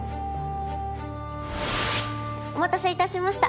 お待たせ致しました